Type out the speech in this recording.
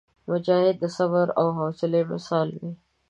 مجاهد د صبر او حوصلي مثال وي.